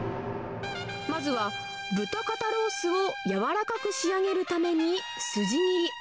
まずは、豚肩ロースを柔らかく仕上げるために、筋切り。